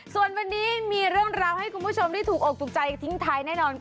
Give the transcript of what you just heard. ส่วนวันนี้มีเรื่องราวให้คุณผู้ชมได้ถูกอกถูกใจทิ้งท้ายแน่นอนค่ะ